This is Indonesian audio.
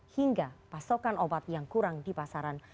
hingga pasokan obat yang kurang di pasaran